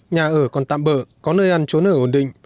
nhà ở còn tạm bỡ có nơi ăn trốn ở ổn định